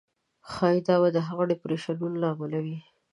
ښایي دا به د هغو ډېپریشنونو له امله وي.